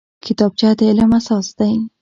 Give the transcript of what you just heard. کتابچه د علم اساس دی